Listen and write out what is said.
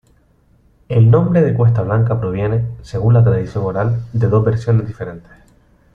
El nombre de Cuesta Blanca proviene, según la tradición oral, de dos versiones diferentes.